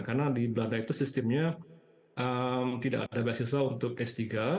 karena di belanda itu sistemnya tidak ada beasiswa untuk s tiga